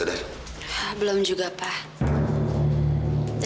dan sekarang juga amira gak sadar